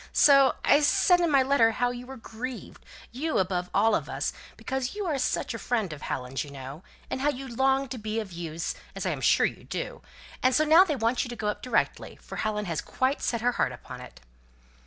so I said in my letter how you were grieved you above all of us, because you are such a friend of Helen's, you know and how you longed to be of use, as I am sure you do and so now they want you to go up directly, for Helen has quite set her heart upon it."